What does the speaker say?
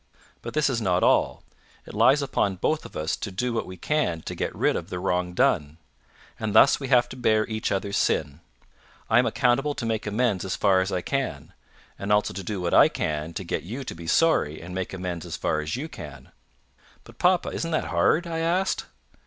But this is not all: it lies upon both of us to do what we can to get rid of the wrong done; and thus we have to bear each other's sin. I am accountable to make amends as far as I can; and also to do what I can to get you to be sorry and make amends as far as you can." "But, papa, isn't that hard?" I asked.